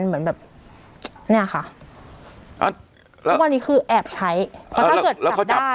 เหมือนแบบเนี้ยค่ะอ่าแล้วทุกวันนี้คือแอบใช้เพราะถ้าเกิดเราได้